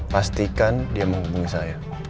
pastikan dia menghubungi saya